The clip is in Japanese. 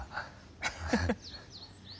ハハハッ。